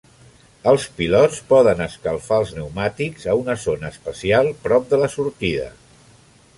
Els pilots poden escalfar els pneumàtics a una zona especial prop de la sortida.